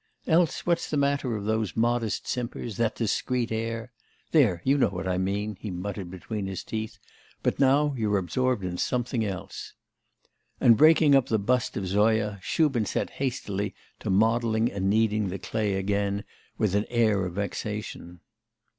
Else, what's the meaning of those modest simpers, that discreet air? There, you know what I mean,' he muttered between his teeth. 'But now you're absorbed in something else.' And breaking up the bust of Zoya, Shubin set hastily to modelling and kneading the clay again with an air of vexation.